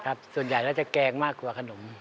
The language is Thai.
ครับส่วนใหญ่ก็จะแกงมากกว่าขนม